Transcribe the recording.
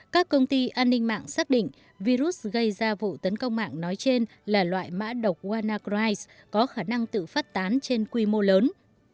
các công ty an ninh mạng xác định virus gây ra vụ tấn công mạng nói trên là loại mã độc wanacry có khả năng tự phát tán trên quy mô lớn